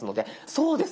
そうです！